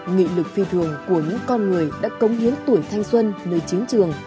nghị lực phi thường của những con người đã cống hiến tuổi thanh xuân nơi chiến trường